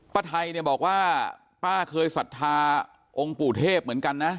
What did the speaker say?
ป้าไทยบอกว่าป้าเคยสัทธาองค์ปู่เทพเหมือนกันนะ